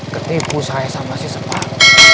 ketipu saya sama si sepan